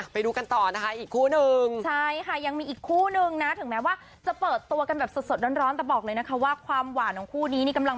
เป็นนักศึกษิกิรเหมือนกัน